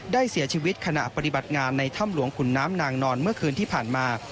เสียชีวิตขณะปฏิบัติงานในถ้ำหลวงขุนน้ำนางนอนเมื่อคืนที่ผ่านมา